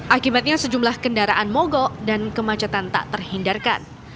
akibatnya sejumlah kendaraan mogok dan kemacetan tak terhindarkan